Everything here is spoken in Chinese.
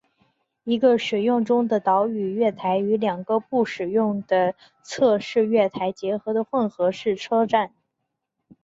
一个使用中的岛式月台与两个不使用的侧式月台结合的混合式车站。